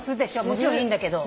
もちろんいいんだけど。